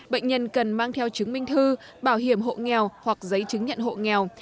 bệnh nhân cần mang theo chứng minh thư bảo hiểm hộ nghèo hoặc giấy chứng nhận hộ nghèo